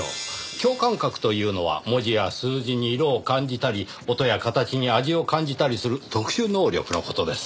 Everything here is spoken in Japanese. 共感覚というのは文字や数字に色を感じたり音や形に味を感じたりする特殊能力の事です。